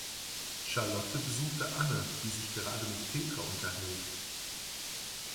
Charlotte besucht Anne, die sich gerade mit Petra unterhält.